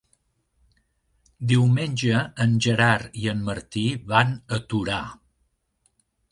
Diumenge en Gerard i en Martí van a Torà.